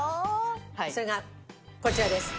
それがこちらです。